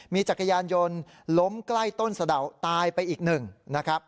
มีจักรยานยนต์ล้มใกล้ต้นสะดาวตายไปอีกหนึ่งนะครับ